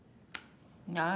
何？